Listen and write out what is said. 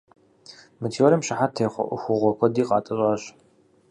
Мы теорием щыхьэт техъуэ ӏуэхугъуэ куэди къатӏэщӏащ.